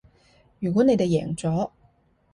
如果你哋贏咗